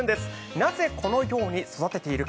なぜ、このように育てているか。